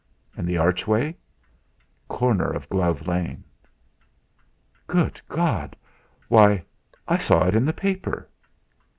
"And the archway?" "Corner of Glove Lane." "Good God! Why I saw it in the paper!"